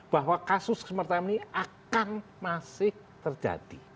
bahwa kasus semacam ini akan masih terjadi